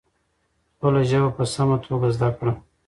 خپله ژبه په سمه توګه زده کړه.